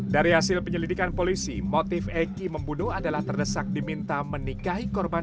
dari hasil penyelidikan polisi motif eki membunuh adalah terdesak diminta menikahi korban